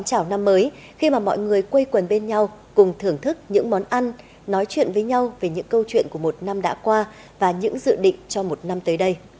chào năm mới khi mà mọi người quây quần bên nhau cùng thưởng thức những món ăn nói chuyện với nhau về những câu chuyện của một năm đã qua và những dự định cho một năm tới đây